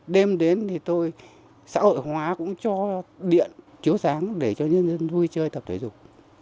đêm đến thì tôi xã hội hóa cũng cho điện chiếu sáng để cho nhân dân vui chơi tập thể dục